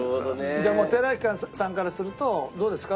じゃあ寺脇さんからするとどうですか？